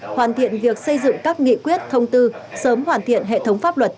hoàn thiện việc xây dựng các nghị quyết thông tư sớm hoàn thiện hệ thống pháp luật